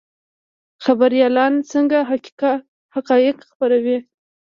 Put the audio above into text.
خبریالان څنګه حقایق خپروي؟